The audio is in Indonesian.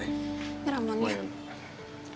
ini ramlan ya